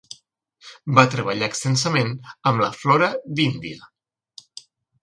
Va treballar extensament amb la flora d'Índia.